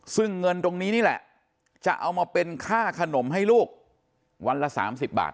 ซึ่งเงินตรงนี้นี่แหละจะเอามาเป็นค่าขนมให้ลูกวันละ๓๐บาท